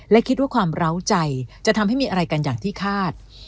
และคิดว่าความเหล้าใจจะทำให้มีอะไรกันอย่างที่คาด